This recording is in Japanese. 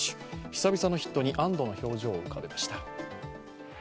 久々のヒットに安どの表情を浮かべました。